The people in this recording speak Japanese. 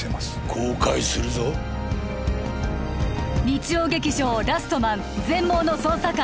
後悔するぞ日曜劇場「ラストマン−全盲の捜査官−」